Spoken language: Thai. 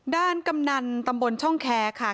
กำนันตำบลช่องแคร์ค่ะ